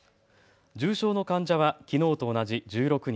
重症の患者はきのうと同じ１６人。